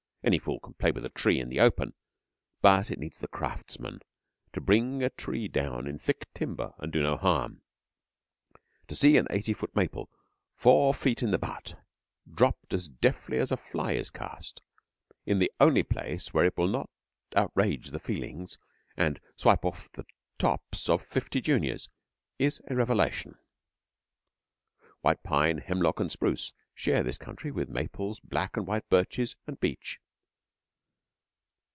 Any fool can play with a tree in the open, but it needs the craftsman to bring a tree down in thick timber and do no harm. To see an eighty foot maple, four feet in the butt, dropped, deftly as a fly is cast, in the only place where it will not outrage the feelings and swipe off the tops of fifty juniors, is a revelation. White pine, hemlock, and spruce share this country with maples, black and white birches, and beech.